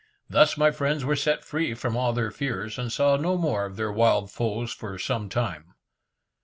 Thus my friends were set free from all their fears, and saw no more of their wild foes for some time.